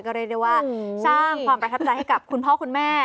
ก็เรียกได้ว่าสร้างความประทับใจให้กับคุณพ่อคุณแม่